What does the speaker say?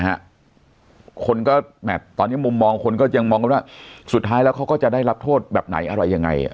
คนก็แมทตอนนี้มุมมองคนก็ยังมองกันว่าสุดท้ายแล้วเขาก็จะได้รับโทษแบบไหนอะไรยังไง